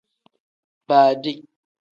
Baadi.